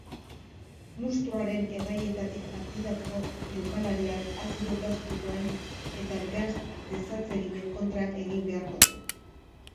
Munstroaren erraietatik ateratzeko jokalariak azido gastrikoen eta gas desatseginen kontra egin beharko du.